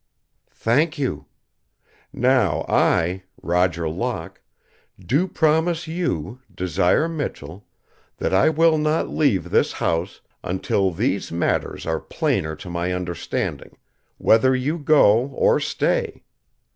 "Thank you. Now, I, Roger Locke, do promise you, Desire Michell, that I will not leave this house until these matters are plainer to my understanding, whether you go or stay.